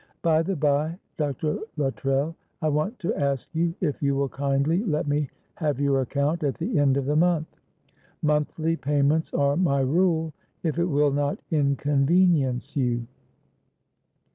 "By the bye, Dr. Luttrell, I want to ask you if you will kindly let me have your account at the end of the month. Monthly payments are my rule, if it will not inconvenience you."